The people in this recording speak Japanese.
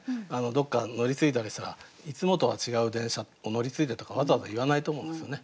どっか乗り継いだりしたら「いつもとは違う電車を乗り継いで」とかわざわざ言わないと思うんですよね。